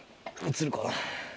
映るかな？